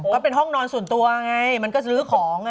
ก็เป็นห้องนอนส่วนตัวไงมันก็ซื้อของ